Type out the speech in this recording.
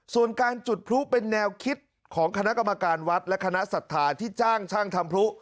ส่วนการจุดพลุเป็นแนวคิดของคณะกรรมการวัดและคณะศรัทธาที่จ้างช่างทำพลุ